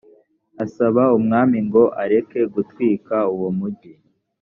asaba umwami ngo areke gutwika uwo mujyi